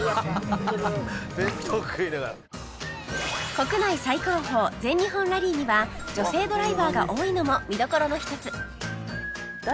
国内最高峰全日本ラリーには女性ドライバーが多いのも見どころの一つ